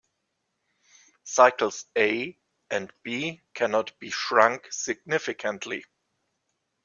Cycles "a" and "b" cannot be shrunk significantly.